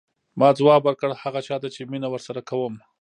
ما ځواب ورکړ هغه چا ته چې مینه ورسره کوم.